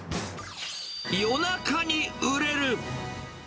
夜中に売れる。